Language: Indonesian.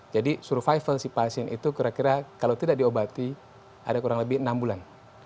jadi survival si pasien itu kira kira kalau tidak diobati ada kurang lebih enam bulan